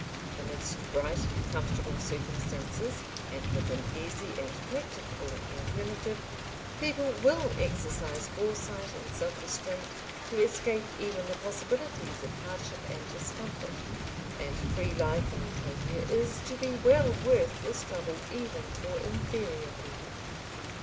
Amidst bright and comfortable circumstances, and with an easy and practicable alternative, people will exercise foresight and self restraint to escape even the possibilities of hardship and discomfort; and free life in Utopia is to be well worth this trouble even for inferior people.